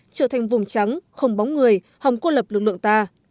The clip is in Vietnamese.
trở thành vùng trắng không bóng người hòng cô lập lực lượng ta